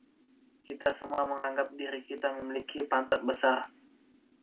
Kita semua menganggap diri kita memiliki pantat besar.